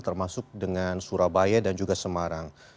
termasuk dengan surabaya dan juga semarang